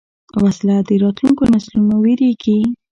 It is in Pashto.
وسله د راتلونکو نسلونو وېرېږي